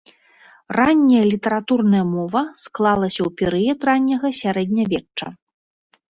Ранняя літаратурная мова склалася ў перыяд ранняга сярэднявечча.